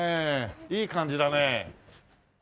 いい感じだね。